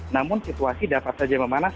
namun situasi dapat saja memanas